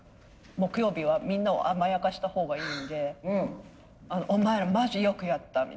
木曜日はみんなを甘やかしたほうがいいんで「お前らマジよくやった！」みたいな「でかした！」